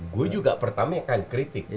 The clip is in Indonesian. gue juga pertama yang kritik